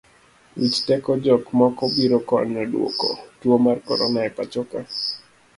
Wich teko jok moko biro konyo duoko tuo mar korona e pachoka.